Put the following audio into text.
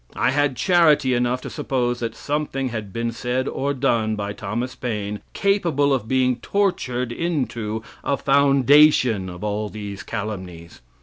I had charity enough to suppose that something had been said or done by Thomas Paine capable of being tortured into a foundation of all these calumnies.